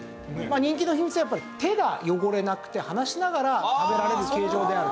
人気の秘密はやっぱり手が汚れなくて話しながら食べられる形状である。